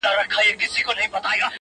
د ژوندانه كارونه پاته رانه؛